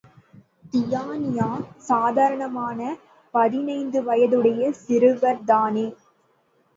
தியானியா சாதாரணமாகப் பதினைந்து வயதுடைய சிறுவர்தானே!